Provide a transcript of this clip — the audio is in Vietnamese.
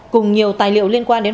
cùng nhiều tài liệu liên quan đến